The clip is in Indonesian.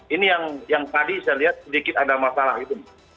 ini yang tadi saya lihat sedikit ada masalah gitu